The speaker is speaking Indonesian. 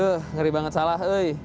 duh ngeri banget salah